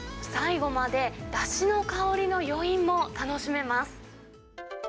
最後までだしの香りの余韻も楽しめます。